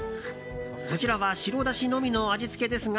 こちらは白だしのみの味付けですが